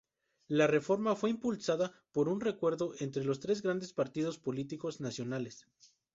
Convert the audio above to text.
La reforma fue impulsada por un acuerdo entre los tres grandes partidos políticos nacionales.